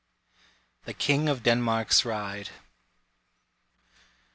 THE KING OF DENMARK'S RIDE.